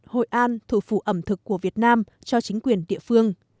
hội an thủ phủ ẩm thực của việt nam cho chính quyền địa phương